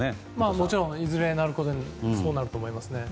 もちろんいずれはそうなると思いますね。